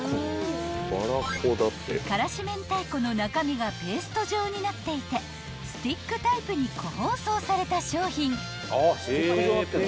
［辛子めんたいこの中身がペースト状になっていてスティックタイプに個包装された商品］